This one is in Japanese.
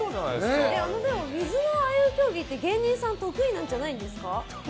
水のああいう競技って芸人さん得意なんじゃないですか？